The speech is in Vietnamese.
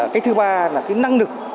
cái thứ ba là cái năng lực